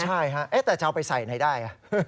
ใช่ฮะแต่จะเอาไปใส่ไหนได้